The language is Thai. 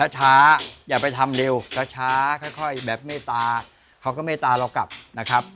อย่าไปทำเร็วช้าค่อยแบบเมตตาเขาก็เมตตาเรากลับนะครับ